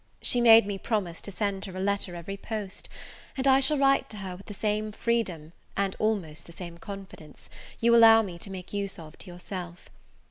She made me promise to send her a letter every post: and I shall write to her with the same freedom, and almost the same confidence, you allow me to make use of to yourself.